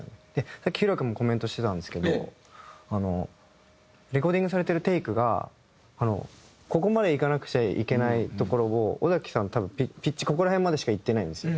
さっき裕哉君もコメントしてたんですけどレコーディングされてるテイクがここまでいかなくちゃいけないところを尾崎さん多分ピッチここら辺までしかいってないんですよ。